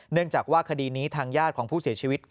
เนื่องจากว่าคดีนี้ทางญาติของผู้เสียชีวิต